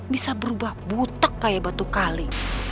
bisa berubah butek kayak batu kali